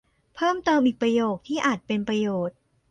เพิ่มเติม อีกประโยคที่อาจเป็นประโยชน์